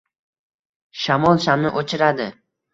Shamol shamni o’chiradi.